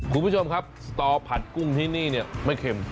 คุณผู้ชมครับสตอผัดกุ้งที่นี่เนี่ยไม่เข็ม